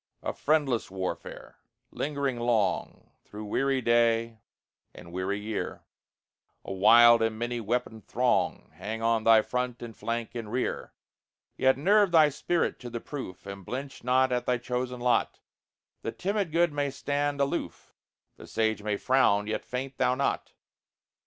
A friendless warfare! lingering long Through weary day and weary year; A wild and many weaponed throng Hang on thy front, and flank, and rear. Yet nerve thy spirit to the proof, And blench not at thy chosen lot; The timid good may stand aloof, The sage may frown yet faint thou not.